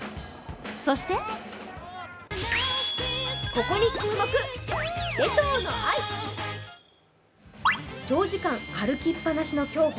そして長時間歩きっぱなしの競歩